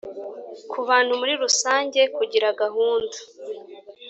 Kubantu muri rusange kugira gahunda